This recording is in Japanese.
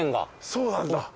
そうなんだ。